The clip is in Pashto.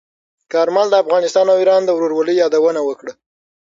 کارمل د افغانستان او ایران د ورورولۍ یادونه وکړه.